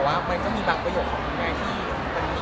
มีการพูดถึงว่าเกี่ยวกับงานแปลกอะไรอย่างนี้